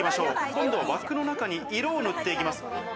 今度は枠の中に色を塗っていきます。